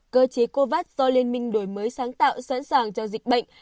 cơ chế covax do liên minh đổi mới sáng tạo sẵn sàng cho dịch bệnh